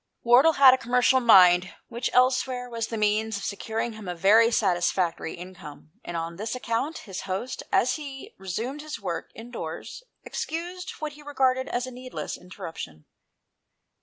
Wardle had a commercial mind, which elsewhere was the means of securing him a very satisfactory income, and on this account, his host, as he resumed his work indoors, excused what he regarded as a needless interruption.